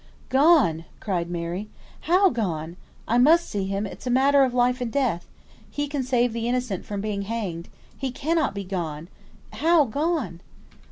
"Gone!" cried Mary. "How gone? I must see him, it's a matter of life and death: he can save the innocent from being hanged, he cannot be gone, how gone?"